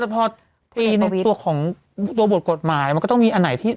พอตีตัวบทกฎหมายมันก็ต้องมีอันไหนที่